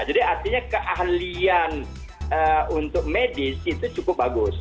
jadi artinya keahlian untuk medis itu cukup bagus